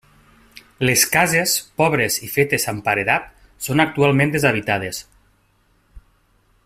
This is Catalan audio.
Les cases, pobres i fetes amb paredat, són actualment deshabitades.